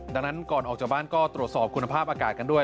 ดังนั้นก่อนออกจากบ้านก็ตรวจสอบคุณภาพอากาศกันด้วย